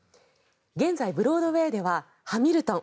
現在、ブロードウェーでは「ハミルトン」